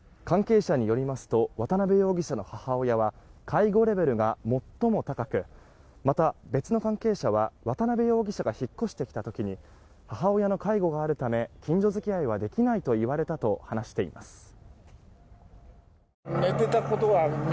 関係者によりますと渡邊容疑者の母親は介護レベルが最も高くまた別の関係者は渡邊容疑者が引っ越してきた時に母親の介護があるため近所付き合いはできないと言われたと話しています。